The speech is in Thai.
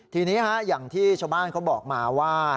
ทีนี้อย่างที่ชาวบ้านเขาบอกมาว่า